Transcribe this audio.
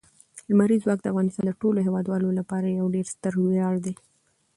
لمریز ځواک د افغانستان د ټولو هیوادوالو لپاره یو ډېر ستر ویاړ دی.